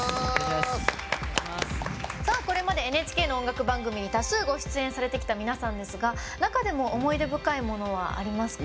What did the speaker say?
これまでＮＨＫの音楽番組に多数、ご出演されてきた皆さんですが中でも思い出深いものはありますか？